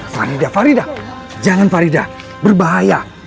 fanida farida jangan farida berbahaya